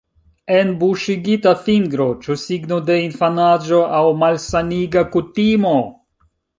Enbuŝigita fingro – ĉu signo de infanaĝo aŭ malsaniga kutimo?